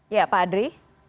iya pak adri